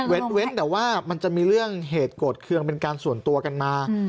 เว้นแต่ว่ามันจะมีเรื่องเหตุโกรธเครื่องเป็นการส่วนตัวกันมา